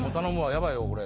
やばいわこれ。